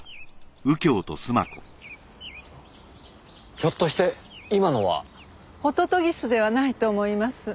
ひょっとして今のは。ホトトギスではないと思います。